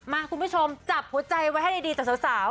คุณผู้ชมจับหัวใจไว้ให้ดีจากสาว